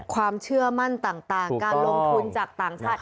ความเชื่อมั่นต่างการลงทุนจากต่างชาติ